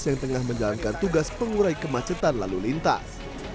yang tengah menjalankan tugas pengurai kemacetan lalu lintas